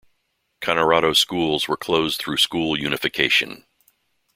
Kanorado schools were closed through school unification.